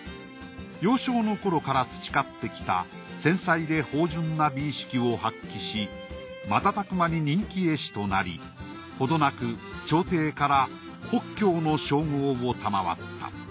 幼少の頃から培ってきた繊細で芳じゅんな美意識を発揮し瞬く間に人気絵師となりほどなく朝廷から法橋の称号を賜った。